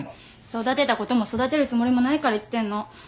育てたことも育てるつもりもないから言ってんの。